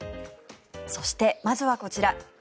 そして、まずはこちら。